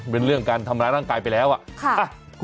เป็นเรื่องการทำร้ายร่างกายไปแล้วอ่ะค่ะ